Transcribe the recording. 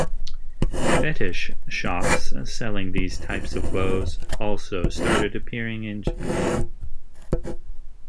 Fetish shops selling these types of clothes also started appearing in Japan.